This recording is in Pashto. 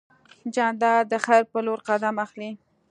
جانداد د خیر په لور قدم اخلي.